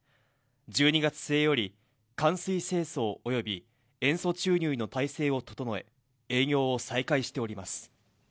１２月末より、換水清掃および塩素注入の体制を整え、営業を再開しております。